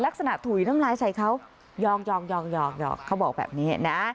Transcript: ถุยน้ำลายใส่เขายองเขาบอกแบบนี้นะ